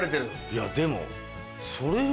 いやでも。